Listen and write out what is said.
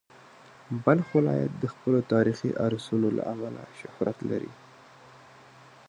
بلخ ولایت د خپلو تاریخي ارثونو له امله شهرت لري.